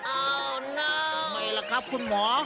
อ้าวไม่แล้วครับคุณหมอ